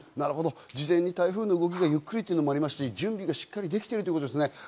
事前に台風の動きがゆっくりというのもあって、準備がしっかりできてるんですね。